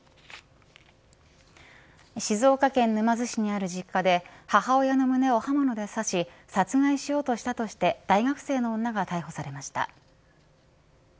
静岡県沼津市にある実家で母親の胸を刃物で刺し殺害しようとしたとして大学生の女が逮捕されました。